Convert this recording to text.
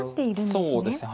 そうですね。